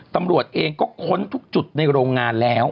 ตำรวจเองก็ค้นทุกจุดในโรงงานแล้ว